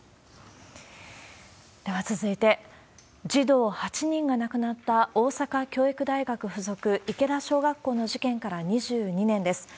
では続いて、児童８人が亡くなった大阪教育大学附属池田小学校の事件から２２年です。